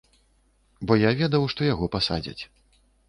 Бо я ведаў, што яго пасадзяць.